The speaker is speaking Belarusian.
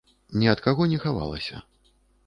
Ні ад каго не хавалася.